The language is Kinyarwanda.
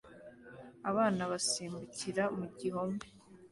Abana basimbukira mu gihome